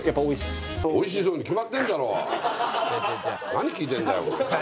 何聞いてるんだよ！